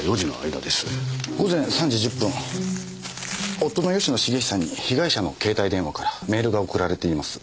午前３時１０分夫の吉野茂久に被害者の携帯電話からメールが送られています。